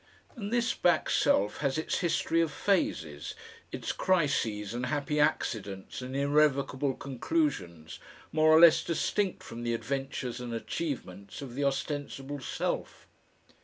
And this back self has its history of phases, its crises and happy accidents and irrevocable conclusions, more or less distinct from the adventures and achievements of the ostensible self.